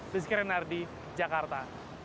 rizky renardi jakarta